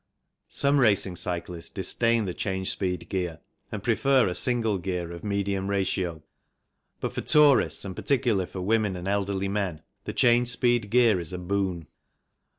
Some racing cyclists disdain the change speed gear and prefer a single gear of medium ratio, but for tourists, and particularly for women and elderly men, the change speed gear is a boon.